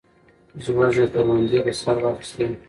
زوږ یې کروندې په سر واخیستې.